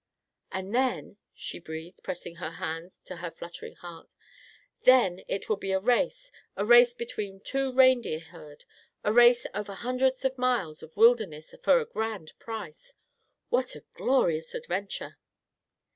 "And then," she breathed, pressing her hands to her fluttering heart, "then it will be a race; a race between two reindeer herd; a race over hundreds of miles of wilderness for a grand prize. What a glorious adventure!"